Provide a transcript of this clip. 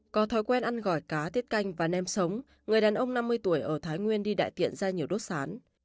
có thói quen ăn gỏi cá tiết canh và nem sống người đàn ông năm mươi tuổi ở thái nguyên đi đại tiện ra nhiều đốt sán